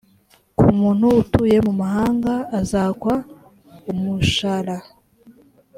ku muntu utuye mu mahanga azakwa umushara